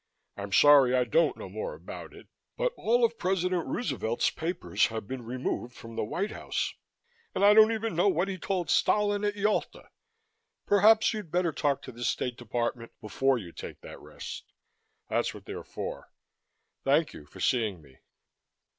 I'm sorry I don't know more about it, but all of President Roosevelt's papers have been removed from the White House and I don't even know what he told Stalin at Yalta. Perhaps you'd better talk to the State Department before you take that rest. That's what they're for. Thank you for seeing me."